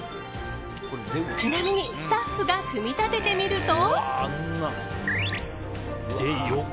ちなみにスタッフが組み立ててみると。